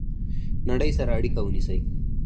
نړۍ سره اړیکه ونیسئ